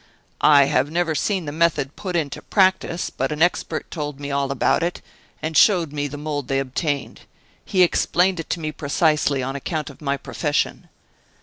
"I have never seen the method put into practise, but an expert told me all about it, and showed me the mold they obtained. He explained it to me precisely, on account of my profession."